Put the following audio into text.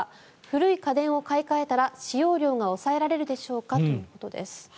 古い家電を買い換えたら使用量が抑えられるでしょうかということです。